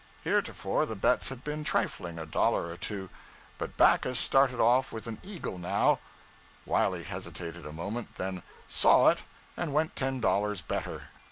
Heretofore the bets had been trifling a dollar or two; but Backus started off with an eagle now, Wiley hesitated a moment, then 'saw it' and 'went ten dollars better.'